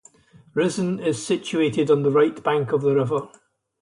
Rissen is situated on the right bank of the river.